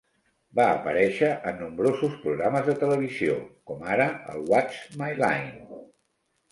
Va aparèixer en nombrosos programes de televisió, como ara el What's My Line?